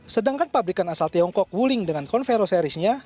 sedangkan pabrikan asal tiongkok wuling dengan convero series nya